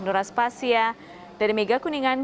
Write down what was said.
nora spasia dari mega kuningan